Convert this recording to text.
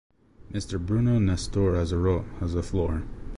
Mr Bruno Nestor Azerot has the floor.